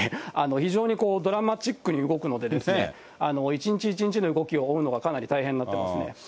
非常にドラマチックに動くので、一日一日の動きを追うのがかなり大変になってますね。